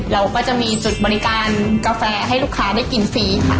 เราก็จะมีจุดบริการกาแฟให้ลูกค้าได้กินฟรีค่ะ